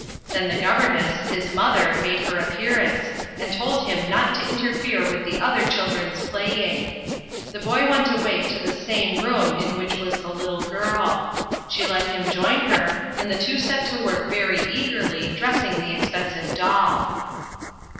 Then the governess, his mother, made her appearance, and told him not to interfere with the other children's playing. The boy went away to the same room in which was the little girl. She let him join her, and the two set to work very eagerly dressing the expensive doll.